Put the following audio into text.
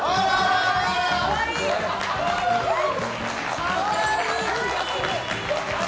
かわいい。